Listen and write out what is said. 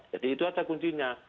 jadi itu saja kuncinya